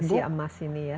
apalagi di usia emas ini ya